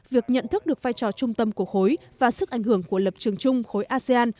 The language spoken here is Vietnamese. việc nhận thức được vai trò trung tâm của khối và sức ảnh hưởng của lập trường chung khối asean